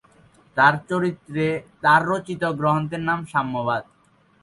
তার রচিত গ্রন্থের নাম "সাম্যবাদ"।